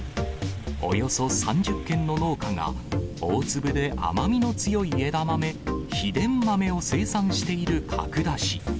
およそ３０軒の農家が大粒で甘みの強い枝豆、秘伝豆を生産している角田市。